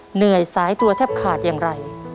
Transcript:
เหนื่อยสายตัวแทบขาดอย่างไร